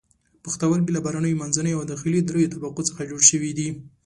پښتورګي له بهرنیو، منځنیو او داخلي دریو طبقو څخه جوړ شوي دي.